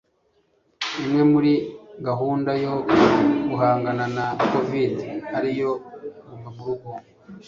imwe muri gahunda yo guhangana na covid- ariyo guma murugo